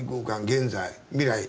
現在未来。